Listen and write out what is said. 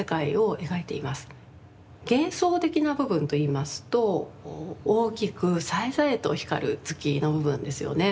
幻想的な部分といいますと大きくさえざえと光る月の部分ですよね。